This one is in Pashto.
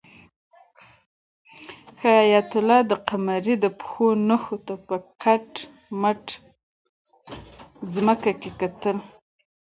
حیات الله د قمرۍ د پښو نښو ته په کټ مټه ځمکه کې کتل.